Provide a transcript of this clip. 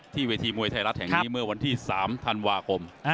เวทีมวยไทยรัฐแห่งนี้เมื่อวันที่๓ธันวาคม